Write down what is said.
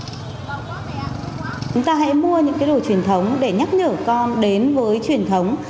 chúng ta hãy mua những cái đồ truyền thống để nhắc nhở con đến với truyền thống